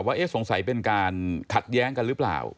ว่าสงสัยเป็นการขัดแย้งกันหรือเปล่า